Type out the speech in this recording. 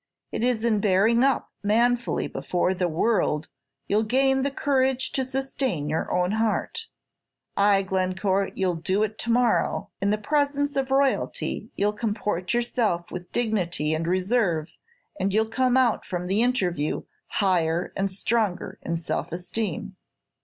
It is in bearing up manfully before the world you'll gain the courage to sustain your own heart. Ay, Glencore, you 'll do it to morrow. In the presence of royalty you 'll comport yourself with dignity and reserve, and you 'll come out from the interview higher and stronger in self esteem."